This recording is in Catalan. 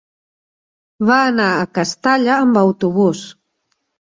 Va anar a Castalla amb autobús.